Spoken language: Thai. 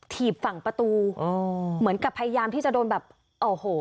ถีบฝั่งประตูเหมือนกับพยายามที่จะโดนแบบโอ้โห